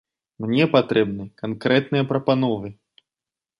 Мне патрэбны канкрэтныя прапановы.